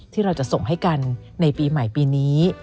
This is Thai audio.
ที่เราจะส่งให้กันในปีใหม่ปีนี้